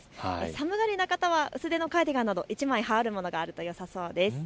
寒がりな方は薄手のカーディガンなど１枚羽織るものがあるとよさそうです。